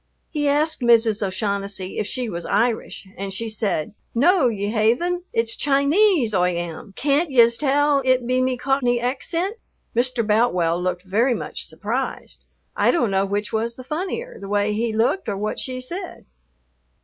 He asked Mrs. O'Shaughnessy if she was Irish and she said, "No, ye haythen, it's Chinese Oi am. Can't yez tell it be me Cockney accint?" Mr. Boutwell looked very much surprised. I don't know which was the funnier, the way he looked or what she said.